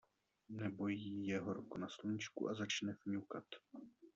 Nebo jí je horko na sluníčku a začne fňukat.